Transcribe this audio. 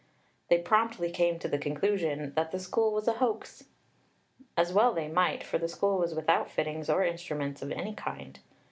They promptly came to the conclusion "that the School was a hoax." As well they might, for the School was without fittings or instruments of any kind!